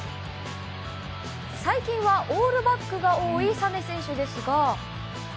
最近はオールバックが多いサネ選手ですが。